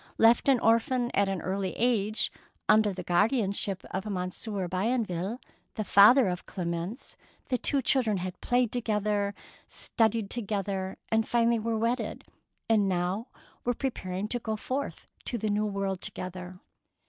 Left an orphan at an early age, under the guardianship of Monsieur Bienville, the father of Clemence, the two children had played together, studied together, and finally were wedded, and now were preparing to go forth to the New World together.